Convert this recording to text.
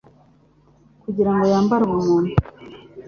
kugira ngo yambare ubumuntu